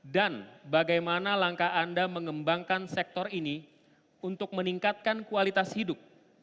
bagaimana langkah anda mengembangkan sektor ini untuk meningkatkan kualitas hidup